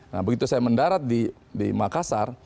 nah begitu saya mendarat di makassar